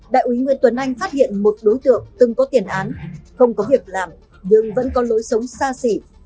đại úy nguyễn tuấn anh phát hiện một đối tượng từng có tiền án không có việc làm nhưng vẫn có lối sống xa xỉ